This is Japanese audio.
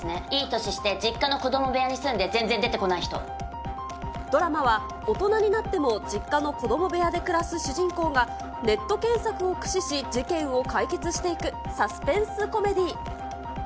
いい年して、実家の子ども部屋にドラマは、大人になっても実家の子ども部屋で暮らす主人公が、ネット検索を駆使し、事件を解決していくサスペンスコメディー。